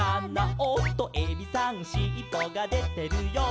「おっとエビさんしっぽがでてるよ」